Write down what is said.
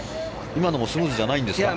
今のもスムーズじゃないんですか。